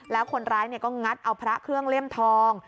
แล้วคนร้ายก็งัดเอาพระเครื่องเล่มทอง